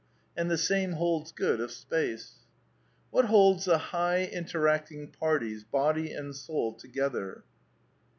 And the same holds good of space. What holds the high interacting parties, body and soul, together?